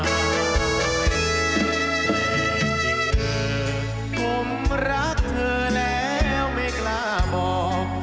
ใจจริงเธอผมรักเธอแล้วไม่กล้าบอก